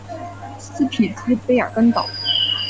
斯匹兹卑尔根岛。